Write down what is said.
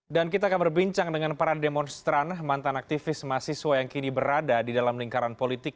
dan kita akan berbincang dengan para demonstran mantan aktivis mahasiswa yang kini berada di dalam lingkaran politik